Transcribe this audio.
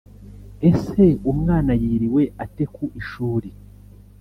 Ese umwana yiriwe ate ku ishuri